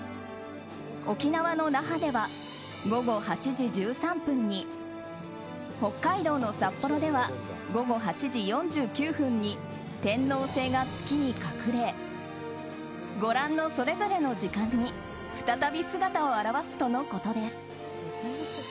沖縄の那覇では午後８時１３分に北海道の札幌では午後８時４９分に天王星が月に隠れご覧のそれぞれの時間に再び姿を現すとのことです。